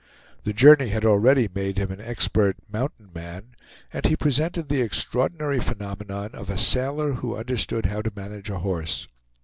The journey had already made him an expert "mountain man," and he presented the extraordinary phenomenon of a sailor who understood how to manage a horse.